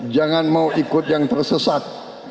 jangan mau ikut yang tersesat